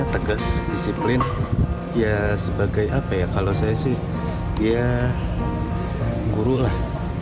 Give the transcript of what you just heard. tegas disiplin ya sebagai apa ya kalau saya sih ya guru lah